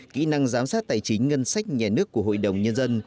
kỹ năng giám sát tài chính ngân sách nhà nước của hội đồng nhân dân